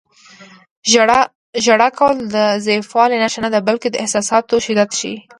• ژړا کول د ضعیفوالي نښه نه ده، بلکې د احساساتو شدت ښيي.